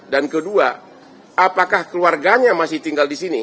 dan kedua apakah keluarganya masih tinggal di sini